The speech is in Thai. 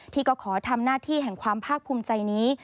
ที่ก็ขอทำหน้าที่แห่งความภาคภูมิใจนี้